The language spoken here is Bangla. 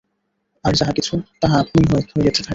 আর যাহা কিছু, তাহা আপনিই হইতে থাকে।